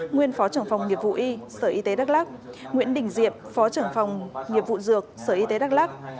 nguyên phó trưởng phòng nghiệp vụ y sở y tế đắk lắc nguyễn đình diệm phó trưởng phòng nghiệp vụ dược sở y tế đắk lắc